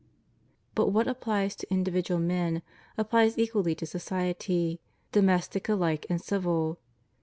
But what appUes to individual men applies equally to society — domestic alike and civil.